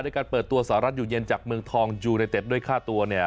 การเปิดตัวสหรัฐอยู่เย็นจากเมืองทองยูไนเต็ดด้วยค่าตัวเนี่ย